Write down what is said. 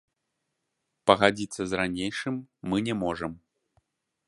Пагадзіцца з ранейшым мы не можам.